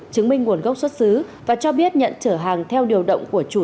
chứng minh nguồn gốc xuất xứ và cho biết nhận trở hàng theo điều động của chủ